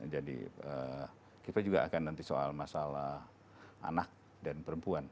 jadi kita juga akan nanti soal masalah anak dan perempuan